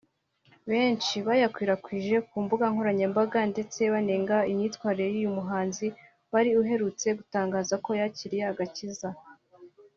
benshi bayakwirakwije ku mbuga nkoranyambaga ndetse banenga imyitwarire y’uyu muhanzi wari uherutse gutangaza ko yakiriye agakiza